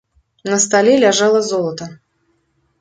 На стале ляжала золата.